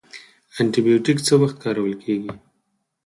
انټي بیوټیک څه وخت کارول کیږي؟